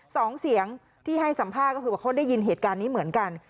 สองเสียงที่ให้สัมภาษณ์ก็คือว่าเขาได้ยินเหตุการณ์นี้เหมือนกัน